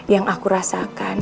yang aku rasakan